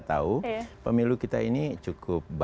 tahu pemilu kita ini cukup